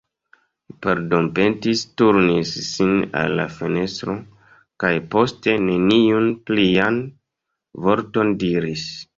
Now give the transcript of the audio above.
Li pardonpetis, turnis sin al la fenestro, kaj poste neniun plian vorton diris.